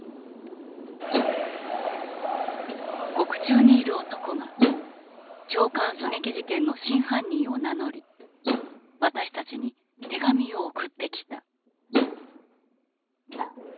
獄中にいる男が長官狙撃事件の真犯人を名乗り私たちに手紙を送ってきた。